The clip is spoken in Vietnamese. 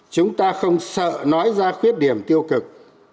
chúng ta không sợ nói ra khuyết điểm tiêu cực